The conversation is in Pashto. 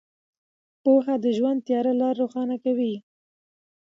پوهه د ژوند تیاره لارې روښانه کوي.